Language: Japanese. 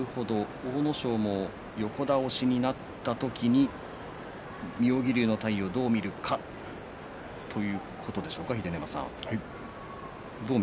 阿武咲も横倒しになった時に妙義龍の体をどう見るかということでしょうか秀ノ山さん。